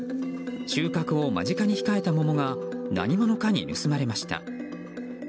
収穫を間近に控えた桃が何者かに盗まれました。